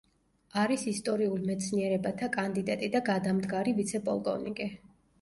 არის ისტორიულ მეცნიერებათა კანდიდატი და გადამდგარი ვიცე-პოლკოვნიკი.